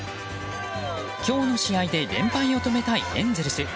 今日の試合で連敗を止めたいエンゼルス。